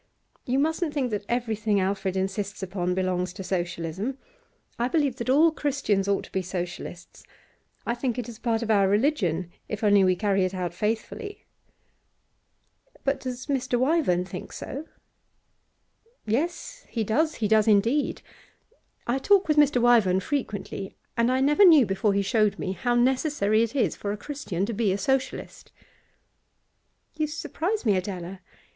You mustn't think that everything Alfred insists upon belongs to Socialism. I believe that all Christians ought to be Socialists; I think it is part of our religion, if only we carry it out faithfully.' 'But does Mr. Wyvern think so?' 'Yes, he does; he does indeed. I talk with Mr. Wyvern frequently, and I never knew, before he showed me, how necessary it is for a Christian to be a Socialist.' 'You surprise me, Adela.